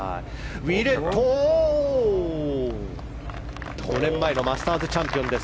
ウィレット、５年前のマスターズチャンピオンです。